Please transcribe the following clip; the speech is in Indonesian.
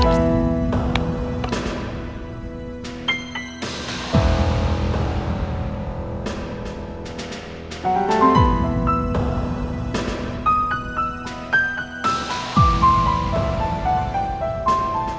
mungkin mbak linda bisa